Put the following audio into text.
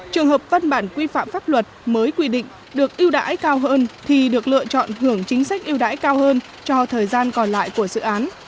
trường hợp văn bản quy phạm pháp luật mới quy định được ưu đãi cao hơn thì được lựa chọn hưởng chính sách yêu đãi cao hơn cho thời gian còn lại của dự án